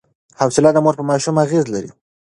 حوصله د مور په ماشوم اغېز لري.